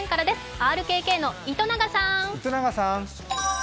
ＲＫＫの糸永さん！